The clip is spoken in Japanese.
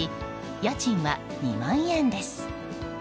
家賃は２万円です。